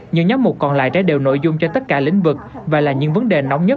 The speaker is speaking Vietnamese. những nhóm mục còn lại trái đều nội dung cho tất cả lĩnh vực và là những vấn đề nóng nhất